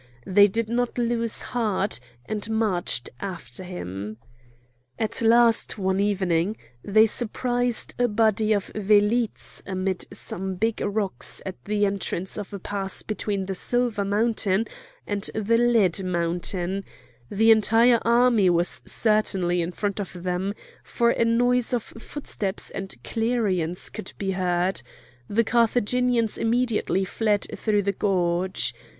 They did not lose heart, and marched after him. At last one evening they surprised a body of velites amid some big rocks at the entrance of a pass between the Silver Mountain and the Lead Mountain; the entire army was certainly in front of them, for a noise of footsteps and clarions could be heard; the Carthaginians immediately fled through the gorge.